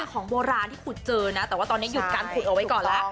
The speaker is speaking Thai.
ของโบราณที่ขุดเจอนะแต่ว่าตอนนี้หยุดการขุดเอาไว้ก่อนแล้ว